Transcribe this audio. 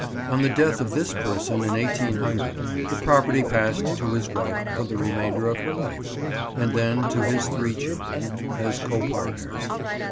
On the death of this person in 1800 the property passed to his wife for the remainder of her life, and then to his three children, as co partners.